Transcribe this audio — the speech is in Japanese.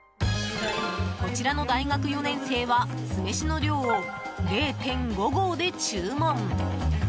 こちらの大学４年生は酢飯の量を０．５合で注文。